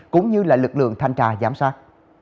cũng như lực lượng thanh trà giám sát